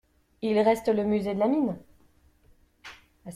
Il reste le musée de la mine.